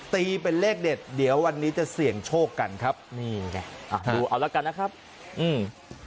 ตีเป็นเลขเด็ดเดี๋ยววันนี้จะเสี่ยงโชคกันครับนี่ไงอ่าดูเอาละกันนะครับอืม